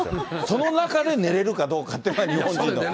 その中で寝れるかどうかっていう、日本人の。